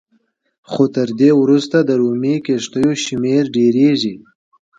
خو تر دې وروسته د رومي کښتیو شمېر ډېرېږي